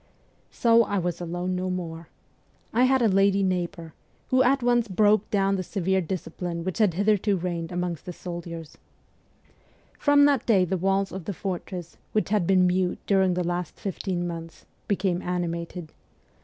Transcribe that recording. So I was alone no more. I had a lady neighbour, who at once broke down the severe discipline which THE FORTRESS 159 had hitherto reigned amongst the soldiers. From that day the walls of the fortress, which had been mute during the last fifteen months, became animated.